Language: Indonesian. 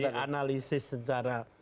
kalau di analisis secara